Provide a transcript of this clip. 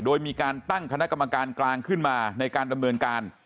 โดยมีการตั้งคณะกรรมการกลางขึ้นมาในการดำเนินการ